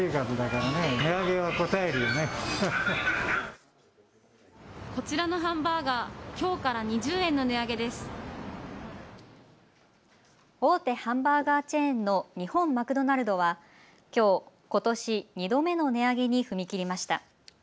大手ハンバーガーチェーンの日本マクドナルドはきょう、ことし２度目の値上げに踏み切りました。